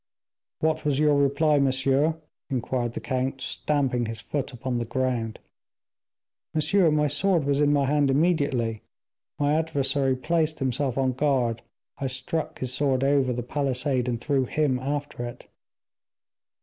"What was your reply, monsieur?" inquired the count, stamping his feet upon the ground. "Monsieur, my sword was in my hand immediately, my adversary placed himself on guard, I struck his sword over the palisade, and threw him after it."